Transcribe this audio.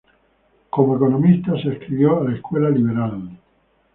Como economista, se adscribió a la escuela liberal.